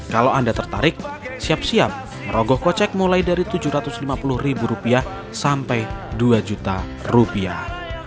kalau anda tertarik siap siap merogoh kocek mulai dari tujuh ratus lima puluh ribu rupiah sampai dua juta rupiah